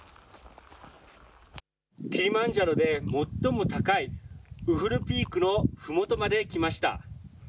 キリマンジャロで最も高いウフルピークのふもとまで来ました。